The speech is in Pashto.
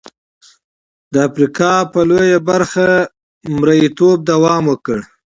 د افریقا په لویه برخه مریتوب دوام وکړ.